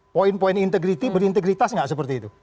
poin poin integritas berintegritas gak seperti itu